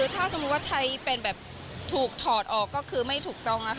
ถ้าใช้เป็นถูกถอดออกไม่ถูกต้อง